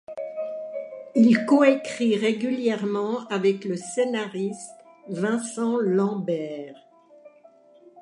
Il coécrit régulièrement avec le scénariste Vincent Lambert.